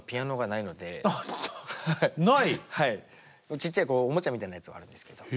ちっちゃいおもちゃみたいなやつはあるんですけど。